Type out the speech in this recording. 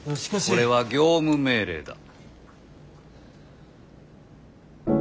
これは業務命令だ。